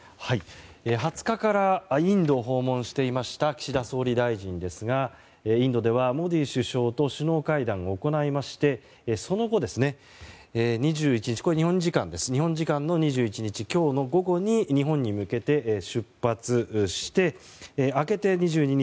２０日からインドを訪問していました岸田総理大臣ですがインドではモディ首相と首脳会談を行いましてその後、日本時間の２１日今日の午後に日本に向けて出発して明けて２２日